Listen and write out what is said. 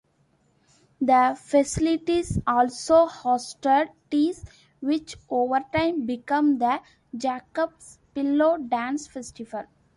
The facilities also hosted teas, which, over time, became the Jacob's Pillow Dance Festival.